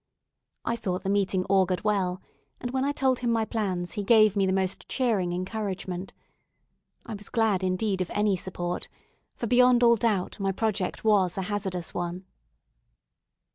I thought the meeting augured well, and when I told him my plans he gave me the most cheering encouragement. I was glad, indeed, of any support, for, beyond all doubt, my project was a hazardous one.